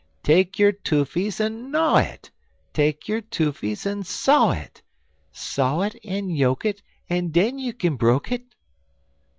"'Take yo' toofies en gnyaw it, Take yo' toofies en saw it, Saw it en yoke it, En den you kin broke it.'